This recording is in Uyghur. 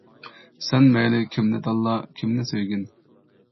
سەن مەيلى كىمنى تاللا، كىمنى سۆيگىن.